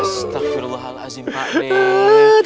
astagfirullahaladzim pak d